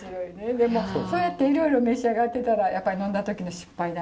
でもそうやっていろいろ召し上がってたらやっぱり呑んだ時の失敗談も。